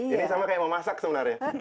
ini sama kayak mau masak sebenarnya